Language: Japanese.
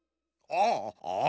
ああ！